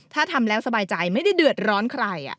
ถ้าทำแล้วสบายใจไม่ได้เดือดร้อนใคร